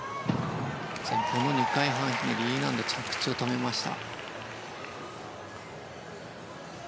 前方の２回半ひねり着地を止めました。